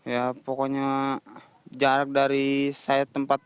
ya pokoknya jarak dari saya tempat